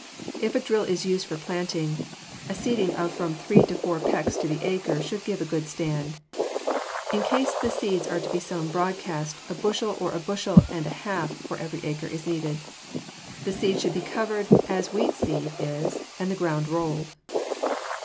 If a drill is used for planting, a seeding of from three to four pecks to the acre should give a good stand. In case the seeds are to be sowed broadcast, a bushel or a bushel and a half for every acre is needed. The seed should be covered as wheat seed is and the ground rolled.